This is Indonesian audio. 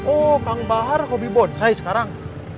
oh kang bahar hobi bonsai sekarang